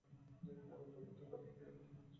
কুমার অন্তঃপুর হইতে বহির্গত হইবার মানস প্রকাশ করিলেন।